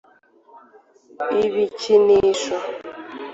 ibikinisho